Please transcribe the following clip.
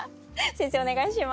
先生お願いします。